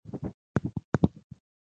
څه اورم بېلتونه د روزګار روان